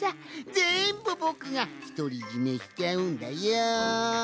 ぜんぶぼくがひとりじめしちゃうんだよん。